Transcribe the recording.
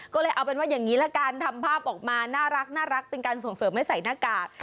ก็เลยเอาเป็นว่าอย่างนี้ละกันทำภาพออกมาน่ารักเป็นการส่งเสริมไม่ใส่หน้ากาก